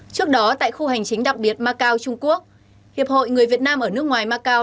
trước đó tại khu hành chính đặc biệt macau trung quốc hiệp hội người việt nam ở nước ngoài macau